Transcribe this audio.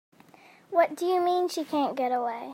What do you mean she can't get away?